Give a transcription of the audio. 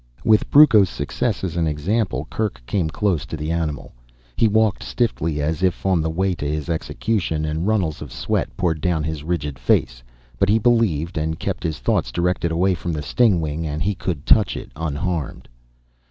With Brucco's success as an example, Kerk came close to the animal. He walked stiffly, as if on the way to his execution, and runnels of sweat poured down his rigid face. But he believed and kept his thoughts directed away from the stingwing and he could touch it unharmed.